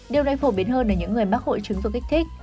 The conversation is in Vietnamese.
điều này phổ biến hơn ở những người mắc hội trứng dù kích thích